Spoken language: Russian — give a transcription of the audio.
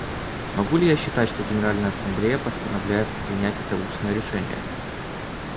Могу ли я считать, что Генеральная Ассамблея постановляет принять это устное решение?